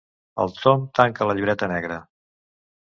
El Tom tanca la llibreta negra.